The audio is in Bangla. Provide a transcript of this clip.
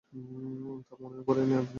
তা মনেও করিবেন না।